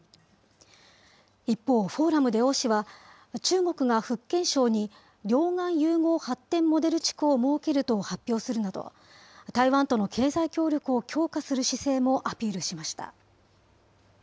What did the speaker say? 一方、フォーラムで王氏は、中国が福建省に両岸融合発展モデル地区を設けると発表するなど、台湾との経済協力を強化する姿勢もアピールしました。